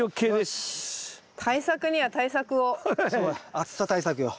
暑さ対策よ。